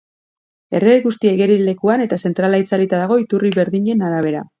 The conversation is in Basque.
Erregai guztia igerilekuan eta zentrala itzalita dago, iturri berdinen arabera.